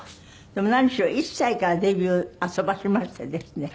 でも何しろ１歳からデビューあそばせましてですね